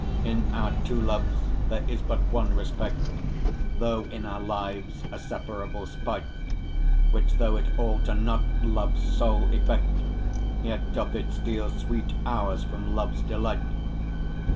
In our two loves there is but one respect, Though in our lives a separable spite, Which though it alter not love's sole effect, Yet doth it steal sweet hours from love's delight.